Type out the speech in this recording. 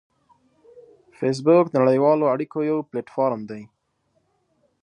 فېسبوک د نړیوالو اړیکو یو پلیټ فارم دی